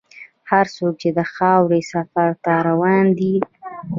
هر څوک د خاورې سفر ته روان دی.